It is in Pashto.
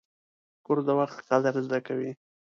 کورس د وخت قدر زده کوي.